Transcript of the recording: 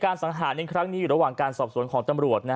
สังหารในครั้งนี้อยู่ระหว่างการสอบสวนของตำรวจ